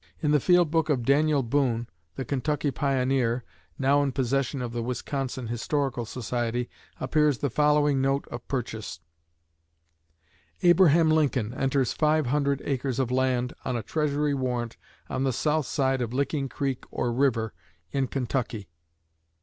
In the Field Book of Daniel Boone, the Kentucky pioneer, (now in possession of the Wisconsin Historical Society), appears the following note of purchase: "Abraham Lincoln enters five hundred acres of land on a Treasury warrant on the south side of Licking Creek or River, in Kentucky."